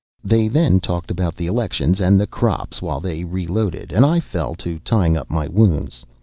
They then talked about the elections and the crops while they reloaded, and I fell to tying up my wounds.